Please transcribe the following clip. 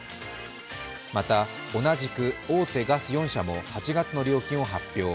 また、同じく大手ガス４社も８月の料金を発表。